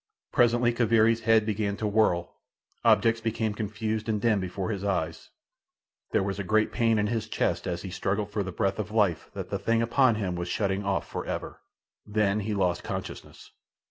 Presently Kaviri's head began to whirl—objects became confused and dim before his eyes—there was a great pain in his chest as he struggled for the breath of life that the thing upon him was shutting off for ever. Then he lost consciousness.